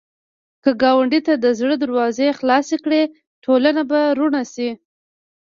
که ګاونډي ته د زړه دروازې خلاصې کړې، ټولنه به روڼ شي